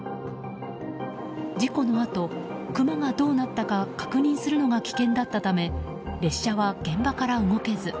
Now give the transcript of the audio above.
事故のあとクマがどうなったか確認するのが危険だったため列車は現場から動けず。